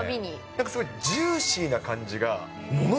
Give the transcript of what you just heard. なんかすごいジューシーな感